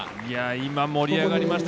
今、盛り上がりました。